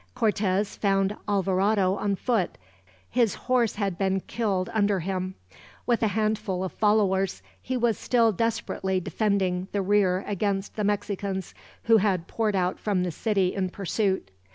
Cortez found Alvarado on foot, his horse had been killed under him. With a handful of followers, he was still desperately defending the rear against the Mexicans, who had poured out from the city in pursuit.